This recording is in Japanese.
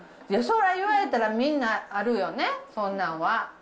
いや、そりゃ言われたら、みんなあるよね、そんなんわ。